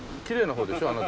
きれいな方でしょ？